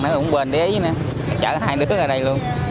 tối dài sẽ dừng đi chở cả hai đứa ra đây luôn